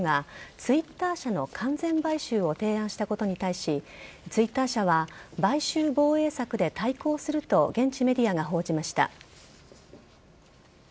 ＣＥＯがＴｗｉｔｔｅｒ社の完全買収を提案したことに対しＴｗｉｔｔｅｒ社は買収防衛策で対抗すると現地メディアが報じました。